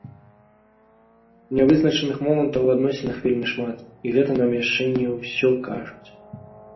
Нявызначаных момантаў у адносінах вельмі шмат, і гэта нам яшчэ не ўсё кажуць.